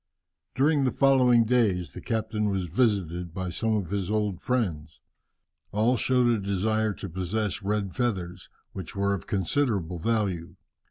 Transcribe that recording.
"During the following days the captain was visited by some of his old friends. All showed a desire to possess red feathers, which were of considerable value.